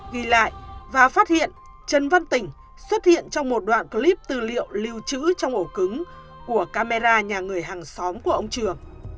ghi lại và phát hiện trần văn tỉnh xuất hiện trong một đoạn clip tư liệu lưu trữ trong ổ cứng của camera nhà người hàng xóm của ông trường